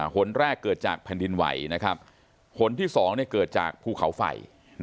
หลนแรกเกิดจากแผ่นดินไหวนะครับหลนที่สองเกิดจากภูเขาไฟ